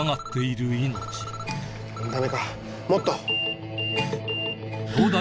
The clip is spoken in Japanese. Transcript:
ダメかもっと！